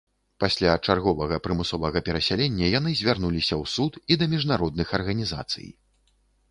Пасля чарговага прымусовага перасялення яны звярнуліся ў суд і да міжнародных арганізацый.